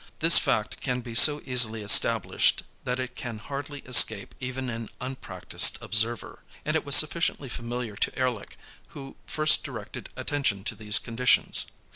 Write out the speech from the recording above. This fact can be so easily established that it can hardly escape even an unpractised observer, and it was sufficiently familiar to Ehrlich, who first directed attention to these conditions.